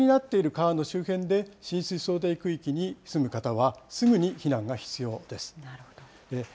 紫色になっている川の周辺で、浸水想定区域に住む方は、すぐに避難が必要です。